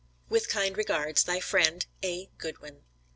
With kind regards, thy friend, A. GOODWIN.